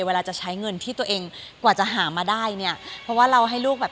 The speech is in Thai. เวลาจะใช้เงินที่ตัวเองกว่าจะหามาได้เนี่ยเพราะว่าเราให้ลูกแบบ